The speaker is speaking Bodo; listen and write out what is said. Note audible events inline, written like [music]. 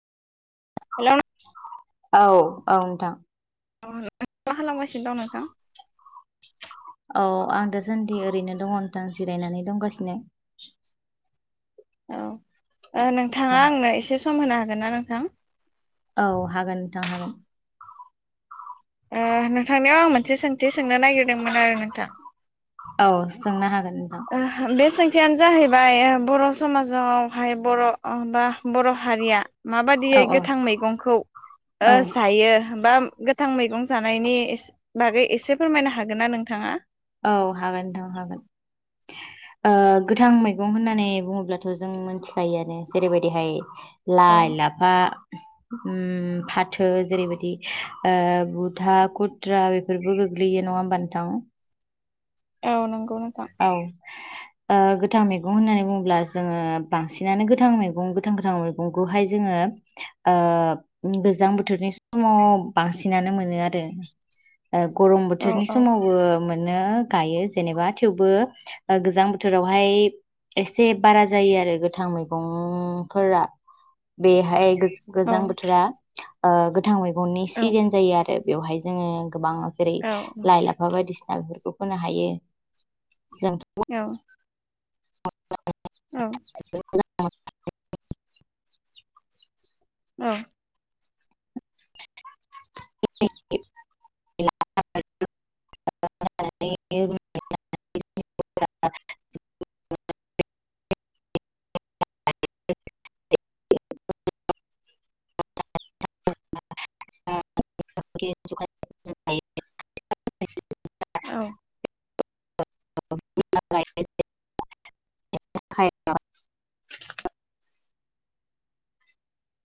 हेलौ औ औ नोंथां। अ नों मा खालामगासिनो दं नोंथां? औ आं दासान्दि ओरैनो दंङ नोंथां जिरायनानै दंगासिनो। औ ओ औ नोंथांङा आंनो एसे सम होनो हागोन ना नोंथां? औ हागोन नोंथां हागोन एसे सोंथि सोंनो नागिरदोंमोन आरो नोंथां औ सोंनो हागोन। नोंथां ओ बे सों थियानो जाहैबाय ओ बर' समाजावहाय बर' अ बा बर' हारिया औ माबादियै औ गोथां मैगंखौ औ ओ जायो बा गोथां मैगं जानायनि एस बागै एसे फोरमायनो हागोन ना नोंथांङा? औ हागोन नोंथां हागोन। ओ गोथां मैगं होननानै बुंङोब्लाथ' जों मोनथिखायोआनो जेरैबायदिहाय औ लाइ लाफा [unintelligible] उम फाथो जेरैबायदि ओ बुथा खुथ्रा बेफोरबो गोग्लैयो नंङा होमबा नोंथां? औ नंगौ नोंथां औ ओ गोथां मैगं होननानै बुंङोब्ला जोंङो बांसिनानो गोथां मैगं गोथां गोथां मैगंखौहाय जोंङो ओ गोजां बोथोरनि समाव बांसिनानो मोनो आरो [unintelligible] ओ गरम औ बोथोरनि औ समावबो मोनो गायो जेनेबा थेवबो ओ गोजां बोथोरावहाय एसे बारा जायो आरो गोथां मैगंफोरा बेहाय औ गो-गोजां बोथोरा ओ गोथां मैगंनि औ सिजोन जायो आरो बेवहाय जोंङो गोबां जेरै लाइ लाफा बायदिसिना बेफोरखौ फोनो हायो। जों औ औ [unintelligible] औ [unintelligible] [inaudible] [inaudible] [unintelligible] औ [unintelligible]